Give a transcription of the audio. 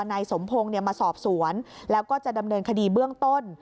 นายสมพงศ์มาสอบสวนแล้วก็จะดำเนินคดีเบื้องต้น